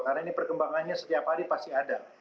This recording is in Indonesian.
karena ini perkembangannya setiap hari pasti ada